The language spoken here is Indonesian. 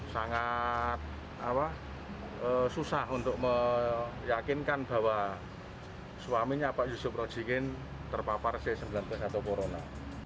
sangat susah untuk meyakinkan bahwa suaminya pak yusuf rozikin terpapar c sembilan belas atau corona